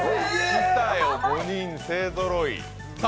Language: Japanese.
来たよ、５人勢ぞろい。